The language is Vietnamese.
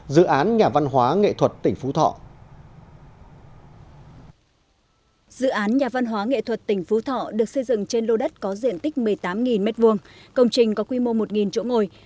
dự án nhà văn hóa nghệ thuật tỉnh phú thọ được xây dựng trên lô đất có diện tích một mươi tám m hai công trình có quy mô một chỗ ngồi